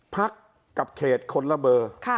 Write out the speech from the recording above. พักกับเขตคนละเบอร์